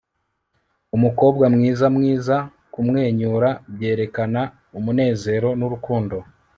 umukobwa mwiza mwiza kumwenyura byerekana umunezero nurukundo